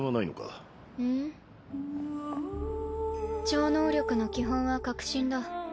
超能力の基本は確信だ。